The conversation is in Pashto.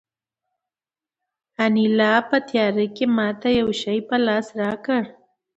انیلا په تیاره کې ماته یو شی په لاس کې راکړ